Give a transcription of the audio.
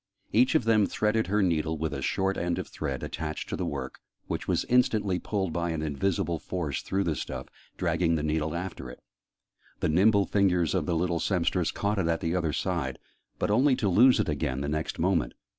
Each of them threaded her needle with a short end of thread attached to the work, which was instantly pulled by an invisible force through the stuff, dragging the needle after it: the nimble fingers of the little sempstress caught it at the other side, but only to lose it again the next moment.